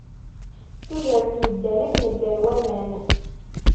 Tudert yeddan akken ddan waman.